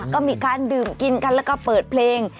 ก็มีการดื่มกินกันแล้วก็เปิดเพลง